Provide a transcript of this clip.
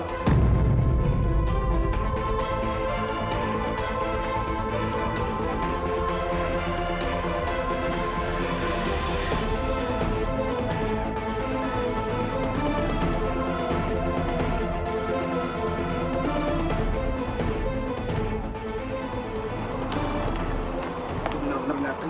jadi kalian ready